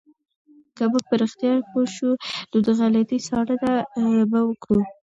که موږ په رښتیا پوه شو، نو د غلطي څارنه به وکړو.